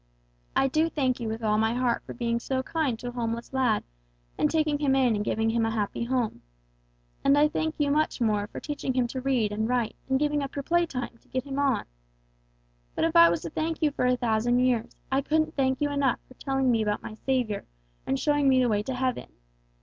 I do thank you with all my heart for being so kind to a homeless lad and taking him in and giving him a happy home. And I thank you much more for teaching him to read and write and giving up your playtime to get him on. But if I was to thank you for a hundred years, I couldn't thank you enough for telling me about my Saviour and showing me the way to heaven.